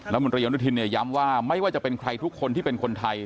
มนตรีอนุทินเนี่ยย้ำว่าไม่ว่าจะเป็นใครทุกคนที่เป็นคนไทย